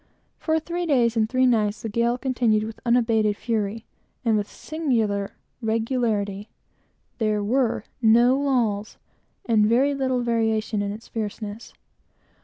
For three days and three nights, the gale continued with unabated fury, and with singular regularity. There was no lulls, and very little variation in its fierceness.